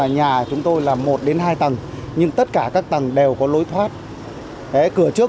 nhà chúng tôi là một đến hai tầng nhưng tất cả các tầng đều có lối thoát cửa trước